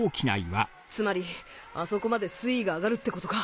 つまりあそこまで水位が上がるってことか。